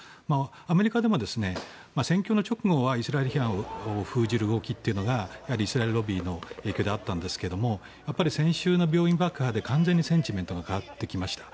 アメリカでも選挙の直後はイスラエル批判を封じる動きがイスラエルロビーの影響であったんですけど先週の病院爆破で完全にセンチメントが変わってきました。